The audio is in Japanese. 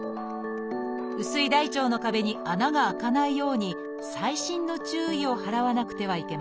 薄い大腸の壁に穴が開かないように細心の注意を払わなくてはいけません。